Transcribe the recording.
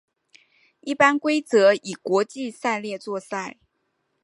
一般规则以国际赛例作赛。